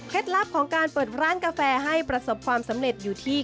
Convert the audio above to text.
ลับของการเปิดร้านกาแฟให้ประสบความสำเร็จอยู่ที่